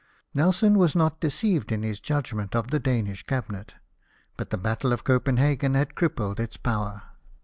Nelson was not deceived in his judgment of the Danish Cabinet, but the Battle of Copenhagen had crippled its power.